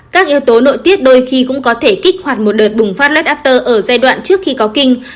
các yếu tố nội tiết đôi khi cũng có thể kích hoạt một đợt bùng phát lot upter ở giai đoạn trước khi có kinh